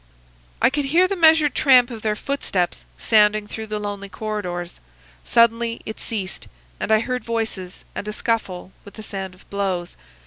"I could hear the measured tramp of their footsteps sounding through the lonely corridors. Suddenly it ceased, and I heard voices, and a scuffle, with the sound of blows.